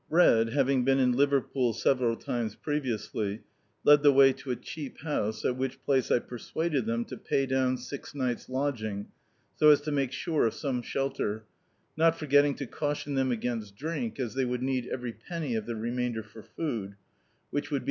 Red, having been in Uverpool several times previously, led the way to a cheap house, at which place I per suaded them to p^ down six ni^ts' lodging, so as to make sure of some shelter, not foigetting to cau tion them against diink, as they would need every penny of the rem^der for food, which would be I97] D,i.